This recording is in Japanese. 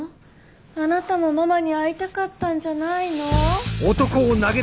あなたもママに会いたかったんじゃないの？